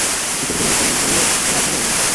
কিছু কিছু মানুষকে মনে করিয়ে রাখা যায় না?